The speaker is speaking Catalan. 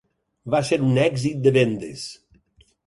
Va ser un èxit de vendes.